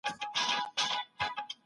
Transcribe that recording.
د اسلام مبارک دين زموږ د زړونو سکون دی.